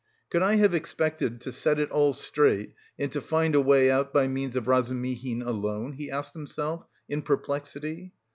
"Could I have expected to set it all straight and to find a way out by means of Razumihin alone?" he asked himself in perplexity.